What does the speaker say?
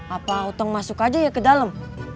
apa otong masuk aja ya ke dalam